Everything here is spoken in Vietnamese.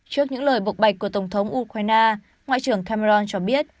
trước những lời bộc bạch của tổng thống ukraine ngoại trưởng cameron cho biết